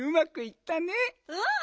うん！